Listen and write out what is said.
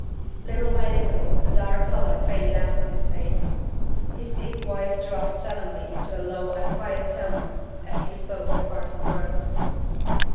Little by little the dark color faded out of his face. His deep voice dropped suddenly to a low and quiet tone as he spoke the parting words.